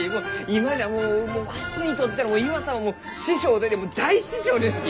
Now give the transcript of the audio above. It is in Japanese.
今じゃもうわしにとってのイワさんは師匠大師匠ですき！